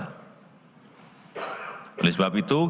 oleh sebab itu kita harus bergotong royong